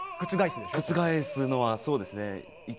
覆すのはそうですね。